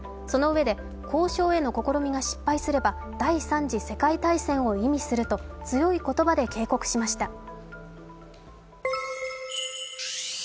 そのうえで、交渉への試みが失敗すれば、第三次世界大戦を意味すると強い言葉で警告しました。